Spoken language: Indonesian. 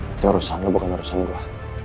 itu urusan lu bukan urusan gua